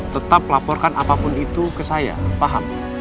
tetap laporkan apapun itu ke saya paham